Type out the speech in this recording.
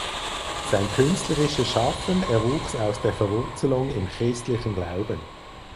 Sein künstlerisches Schaffen erwuchs aus der Verwurzelung im christlichen Glauben.